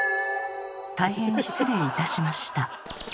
大変失礼いたしました。